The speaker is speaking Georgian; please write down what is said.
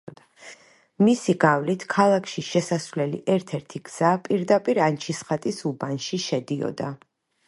მისი გავლით ქალაქში შესასვლელი ერთ-ერთი გზა პირდაპირ ანჩისხატის უბანში შედიოდა.